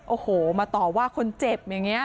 โอ้โหมาต่อว่าคนเจ็บ